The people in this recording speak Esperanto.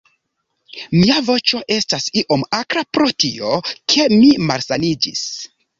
Mia voĉo estas iom akra pro tio, ke mi malsaniĝis